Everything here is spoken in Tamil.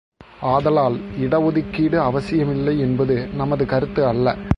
ஆதலால், இடஒதுக்கீடு அவசியமில்லை என்பது நமது கருத்து அல்ல.